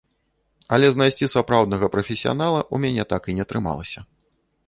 Але знайсці сапраўднага прафесіянала ў мяне так і не атрымалася.